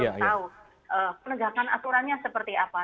ini kita belum tahu penegakan aturannya seperti apa